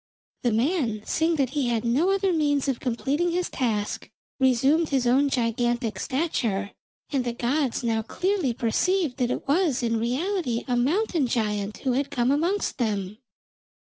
The man seeing that he had no other means of completing his task, resumed his own gigantic stature, and the gods now clearly perceived that it was in reality a Mountain giant who had come amongst them.